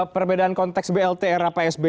perbedaan konteks blt rapsb